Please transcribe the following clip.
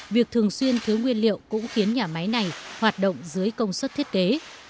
việc thường xuyên thiếu nguyên liệu cũng khiến nhà máy này hoạt động dưới kỳ